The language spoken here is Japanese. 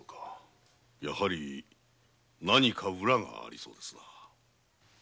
やはり何か裏がありそうですな。